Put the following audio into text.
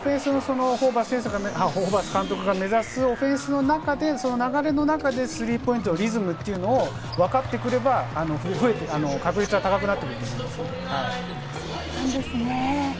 ホーバス監督が目指すオフェンスの中で流れの中でスリーポイントのリズムというのが分かってくれば確率は高くなってくると思います。